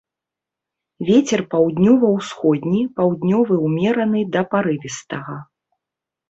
Вецер паўднёва-ўсходні, паўднёвы ўмераны да парывістага.